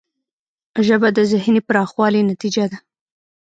ژبه د ذهنی پراخوالي نتیجه ده